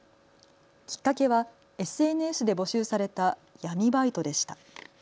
きっかけはＳＮＳで募集された闇バイトでした。